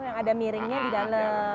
yang ada miringnya di dalam